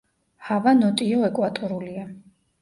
ჰავა ნოტიო ეკვატორულია.